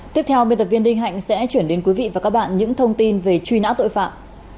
tiếp theo biên tập viên đinh hạnh sẽ chuyển đến quý vị và các bạn những thông tin về truy nã tội phạm